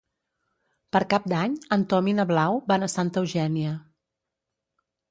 Per Cap d'Any en Tom i na Blau van a Santa Eugènia.